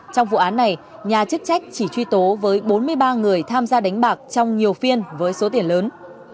trong vụ án này nhà chức trách chỉ truy tố với bốn mươi ba người tham gia đánh bạc trong nhiều phiên với số tiền lớn